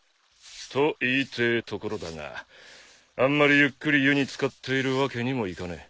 と言いてえところだがあんまりゆっくり湯に漬かっているわけにもいかねえ。